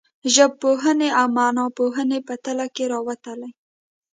ژبپوهنې او معناپوهنې په تله کې راوتلي.